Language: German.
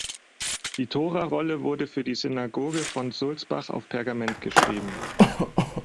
Die Torarolle wurde für die Synagoge von Sulzbach auf Pergament geschrieben.